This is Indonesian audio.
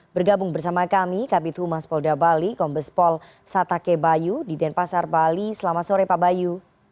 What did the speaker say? bergabung bersama kami kabit humas polda bali kombes pol satake bayu di denpasar bali selamat sore pak bayu